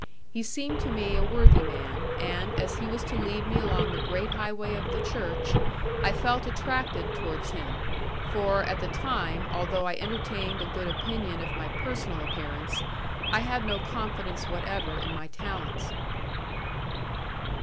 He seemed to me a worthy man, and as he was to lead me along the great highway of the Church, I felt attracted towards him, for, at the time, although I entertained a good opinion of my personal appearance, I had no confidence whatever in my talents.